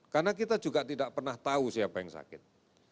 karena kita juga tidak pernah tahu siapa yang sakit